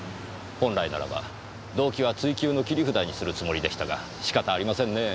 本来ならば動機は追及の切り札にするつもりでしたが仕方ありませんねぇ。